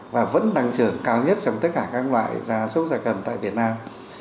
và vẫn tăng trưởng cao nhất trong tất cả các loại giá sốc gia cầm tại việt nam